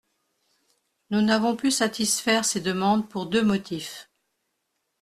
Nous n’avons pu satisfaire ces demandes pour deux motifs.